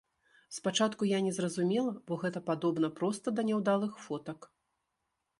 Спачатку я не зразумела, бо гэта падобна проста да няўдалых фотак!